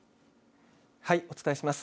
お伝えします。